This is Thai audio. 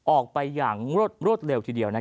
ออกไปอย่างรวดเร็วทีเดียว